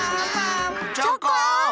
チョコン！